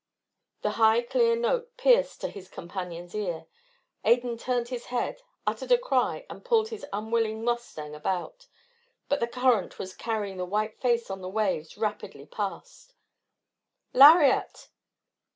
The high clear note pierced to his companion's ear. Adan turned his head, uttered a cry, and pulled his unwilling mustang about. But the current was carrying the white face on the waves rapidly past. "Lariat!"